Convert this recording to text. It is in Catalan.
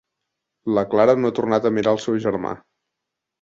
La Clara no ha tornat a mirar el seu germà.